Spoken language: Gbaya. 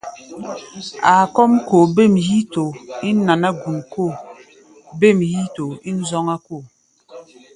Áa kɔ́ʼm koo bêm yíítoo ín naná-gun kóo, bêm yíítoo ín zɔ́ŋá-kóo.